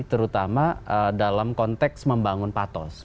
terutama dalam konteks membangun patos